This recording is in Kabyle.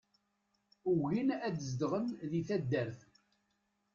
Ugin ad zedɣen di taddart.